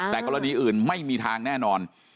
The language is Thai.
แต่กรณีอื่นไม่มีทางแน่นอน